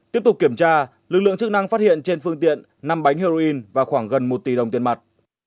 tiếp tục kiểm tra lực lượng chức năng phát hiện trên phương tiện năm bánh heroin và khoảng gần một tỷ đồng tiền mặt